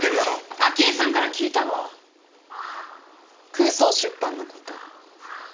空想出版の事。